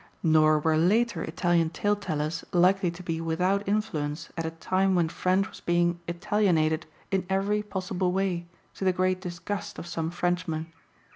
Nor were later Italian tale tellers likely to be without influence at a time when French was being "Italianated" in every possible way, to the great disgust of some Frenchmen.